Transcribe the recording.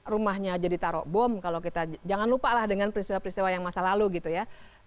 rumahnya jadi taruh bom kalau kita jangan lupa lah dengan peristiwa peristiwa yang masa lalu gitu ya